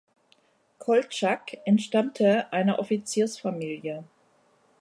Koltschak entstammte einer Offiziersfamilie.